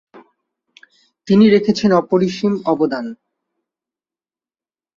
তিনি রেখেছেন অপরিসীম অবদান।